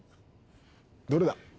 どれだ？